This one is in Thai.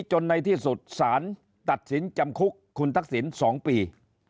จนในที่สุดสารตัดสินจำคุกคุณทักษิณ๒ปี